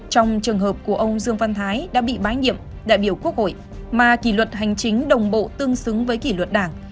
trong trường hợp của ông dương văn thái đã bị bãi nhiệm đại biểu quốc hội mà kỷ luật hành chính đồng bộ tương xứng với kỷ luật đảng